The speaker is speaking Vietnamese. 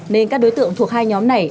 nên các đối tượng thuộc hai nhóm này